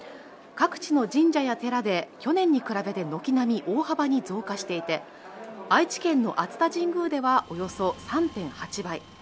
各地の神社や寺で去年に比べて軒並み大幅に増加していて愛知県の熱田神宮ではおよそ３．８倍